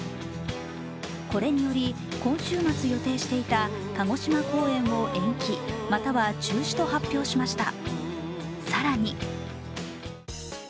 これにより、今週末予定していた鹿児島公演を延期、または中止と発表しました。